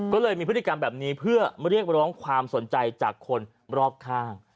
ก็เลยมีพฤติกรรมแบบนี้เพื่อเรียกร้องความสนใจจากคนรอบข้าง